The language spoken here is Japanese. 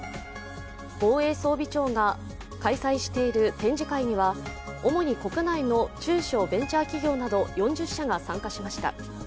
防衛装備庁が開催している展示会には主に国内の中小・ベンチャー企業など４０社が参加しました。